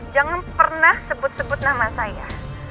jangan pernah sebut sebut nama saya